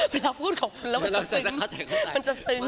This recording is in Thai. เวลาพูดของคุณแล้วมันจะซึ้ง